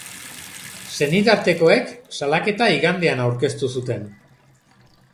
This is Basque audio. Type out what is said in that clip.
Senitartekoek salaketa igandean aurkeztu zuten.